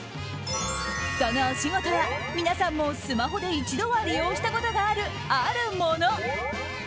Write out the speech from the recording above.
そのお仕事は皆さんもスマホで一度は利用したことがあるあるもの。